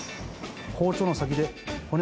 包丁の先で。